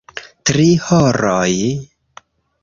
Tri horoj.